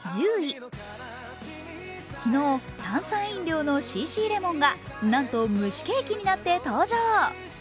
昨日、炭酸飲料のＣ．Ｃ．レモンがなんと、蒸しケーキになって登場。